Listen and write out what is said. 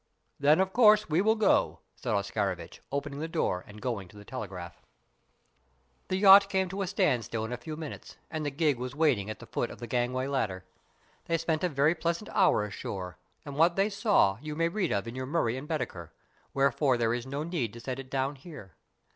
"Then, of course we will go," said Oscarovitch, opening the door and going to the telegraph. The yacht came to a standstill in a few minutes, and the gig was waiting at the foot of the gangway ladder. They spent a very pleasant hour ashore, and what they saw, you may read of in your Murray and Baedeker, wherefore there is no need to set it down here.